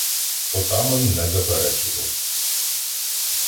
Отаман не заперечував.